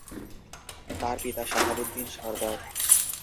তার পিতা শাহাবুদ্দিন সরদার।